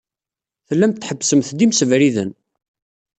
Tellamt tḥebbsemt-d imsebriden.